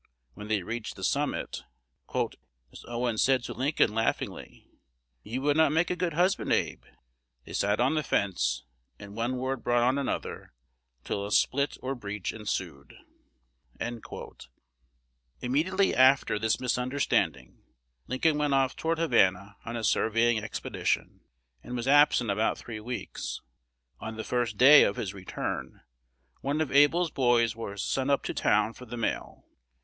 When they reached the summit, "Miss Owens said to Lincoln laughingly, 'You would not make a good husband. Abe.' They sat on the fence; and one word brought on another, till a split or breach ensued." Immediately after this misunderstanding, Lincoln went off toward Havana on a surveying expedition, and was absent about three weeks. On the first day of his return, one of Able's boys was sent up "to town" for the mail.